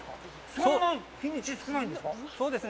そんなに日にち少ないんですか？